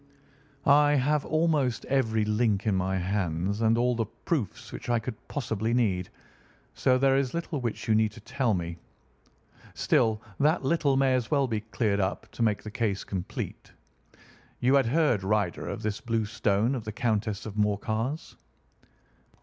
"I have almost every link in my hands, and all the proofs which I could possibly need, so there is little which you need tell me. Still, that little may as well be cleared up to make the case complete. You had heard, Ryder, of this blue stone of the Countess of Morcar's?"